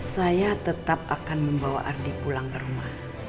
saya tetap akan membawa ardi pulang ke rumah